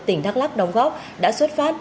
tỉnh đắk lắk đóng góp đã xuất phát